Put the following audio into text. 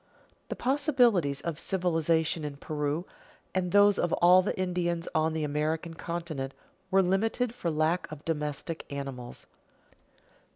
The possibilities of civilization in Peru, and those of all the Indians on the American continent, were limited for lack of domestic animals.